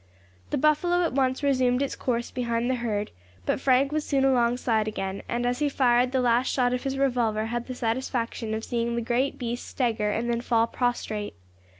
The buffalo at once resumed its course behind the herd; but Frank was soon alongside again, and as he fired the last shot of his revolver had the satisfaction of seeing the great beast stagger and then fall prostrate.